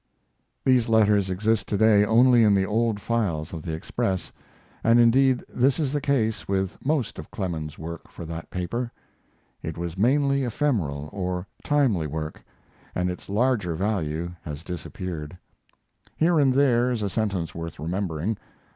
These letters exist to day only in the old files of the Express, and indeed this is the case with most of Clemens's work for that paper. It was mainly ephemeral or timely work, and its larger value has disappeared. Here and there is a sentence worth remembering.